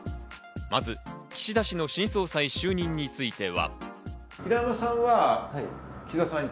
まず岸田氏の新総裁就任については。